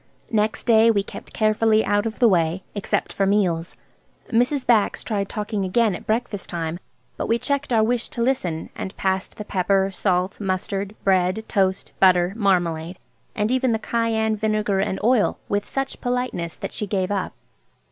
Next day we kept carefully out of the way, except for meals. Mrs. Bax tried talking again at breakfast time, but we checked our wish to listen, and passed the pepper, salt, mustard, bread, toast, butter, marmalade, and even the cayenne, vinegar, and oil, with such politeness that she gave up.